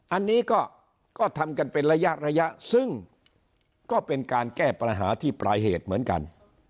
อันนี้ก็ทำกันเป็นระยะระยะซึ่งก็เป็นการแก้ปัญหาที่ปลายเหตุเหมือนกัน